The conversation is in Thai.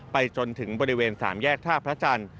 จนถึงบริเวณ๓แยกท่าพระจันทร์